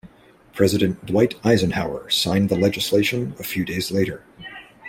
President Dwight Eisenhower signed the legislation a few days later.